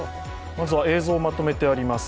まずは映像をまとめてあります。